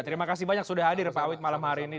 terima kasih banyak sudah hadir pak awit malam hari ini